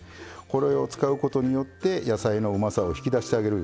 これを使うことによって野菜のうまさを引き出してあげるいうことですね。